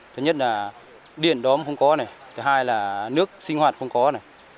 thứ nhất là điện đó mà không có này thứ hai là nước sinh hoạt không có này